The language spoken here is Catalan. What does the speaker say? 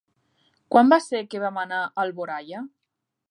Quan va ser que vam anar a Alboraia?